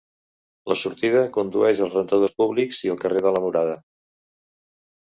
La sortida condueix als rentadors públics i al carrer de la Murada.